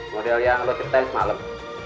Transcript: model yang lo titen semalem